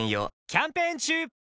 キャンペーン中！